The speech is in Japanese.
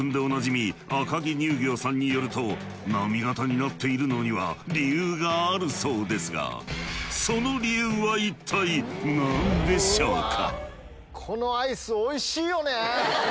さんによると波型になっているのには理由があるそうですがその理由は一体何でしょうか？